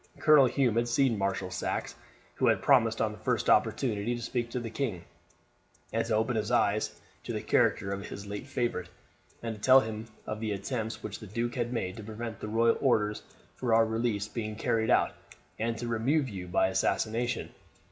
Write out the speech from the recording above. Colonel Hume had seen Marshal Saxe, who had promised on the first opportunity to speak to the king, and to open his eyes to the character of his late favourite, and to tell him of the attempts which the duke had made to prevent the royal orders for our release being carried out, and to remove you by assassination.